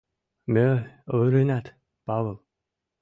— Мо, ӧрынат, Павыл?